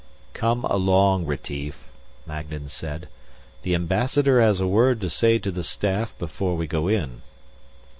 "Come along, Retief," Magnan said. "The Ambassador has a word to say to the staff before we go in."